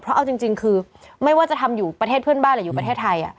เพราะเอาจริงคือไม่ว่าจะทำอยู่ประเทศเพื่อนบ้านหรืออยู่ประเทศไทย